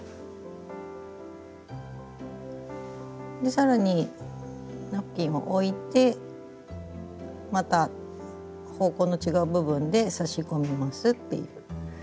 更にナプキンを置いてまた方向の違う部分で差し込みますっていう。